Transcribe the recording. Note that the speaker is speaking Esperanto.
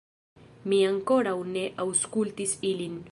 Mi ankoraŭ ne aŭskultis ilin